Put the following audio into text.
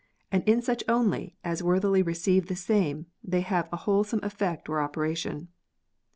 And in such only as worthily receive the same they have a wholesome effect or operation."